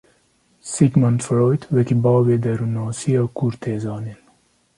Sigmund Freud wekî bavê derûnnasiya kûr tê zanîn.